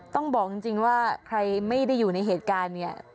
ต้องบอกจริงว่าใครไม่ได้อยู่ในเหตุการณ์เนี่ย